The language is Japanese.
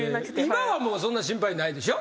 今はもうそんな心配ないでしょ？